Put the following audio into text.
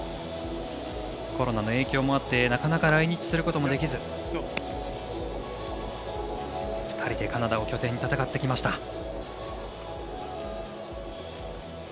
コロナの影響もあってなかなか来日することもできず２人でカナダを拠点に戦ってきました。